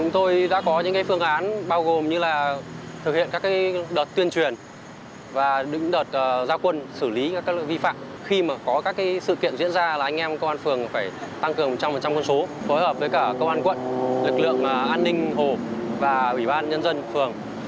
trong một trong con số phối hợp với cả công an quận lực lượng an ninh hồ và ủy ban nhân dân phường